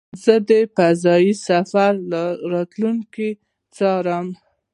زه د فضایي سفر راتلونکی څارم.